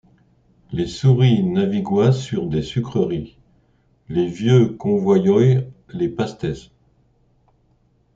Les souriz naviguoyent sur des sucreries, les vieulx convoyoyent les pastez.